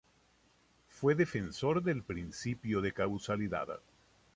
Fue defensor del principio de causalidad.